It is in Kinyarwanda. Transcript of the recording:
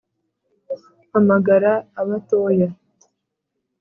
Mpamagara abatoya